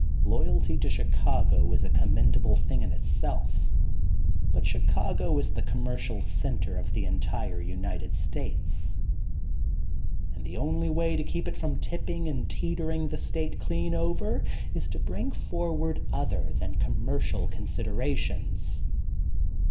Loyalty to Chi cago is a commendable thing in itself, but Chicago is the commercial center of the entire United States, and the only way to keep it from tipping and teetering the state clean over, is to bring forward other than commer cial considerations.